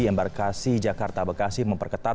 embarkasi jakarta bekasi memperketat